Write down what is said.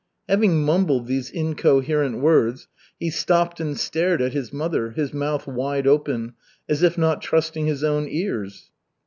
Having mumbled these incoherent words, he stopped and stared at his mother, his mouth wide open, as if not trusting his own ears.